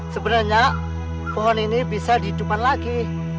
sebenarnya pohon ini bisa dihidupan lagi